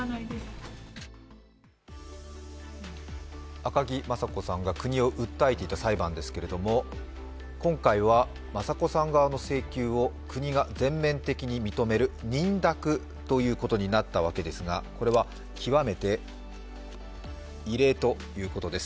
赤木雅子さんが国を訴えていた裁判ですけど今回は雅子さん側の請求を国が全面的に認める認諾ということになったわけですが、これは極めて異例ということです。